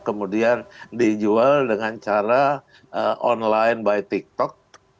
kemudian dijual dengan cara online by tik tok